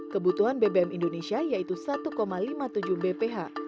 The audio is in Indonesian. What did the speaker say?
kebutuhan bbm indonesia yaitu satu lima puluh tujuh bph